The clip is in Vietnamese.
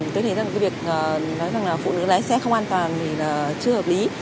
tôi thấy rằng cái việc nói rằng là phụ nữ lái xe không an toàn thì là chưa hợp lý